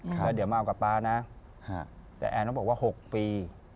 ว่าเดี๋ยวมาเอากับป๊านะแต่แอนก็บอกว่า๖ปี